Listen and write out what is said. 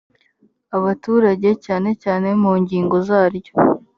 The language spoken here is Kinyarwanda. abaturage cyane cyane mu ngingo zaryo